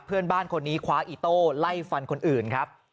เพื่อนบ้านคนนี้คว้าอีโต้ไล่ฟันคนอื่นครับ